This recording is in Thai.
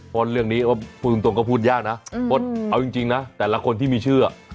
เพราะเรื่องนี้พูดตรงก็พูดยากนะเพราะเอาจริงนะแต่ละคนที่มีชื่อ